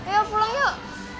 yuk pulang yuk